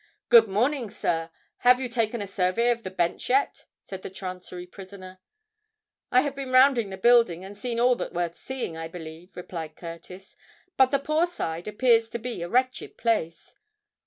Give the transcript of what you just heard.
"Good morning, sir. Have you taken a survey of the Bench yet?" said the Chancery prisoner. "I have been round the building, and seen all that's worth seeing, I believe," replied Curtis. "But the Poor Side appears to be a wretched place."